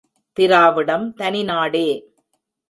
திராவிடம் தனி நாடே.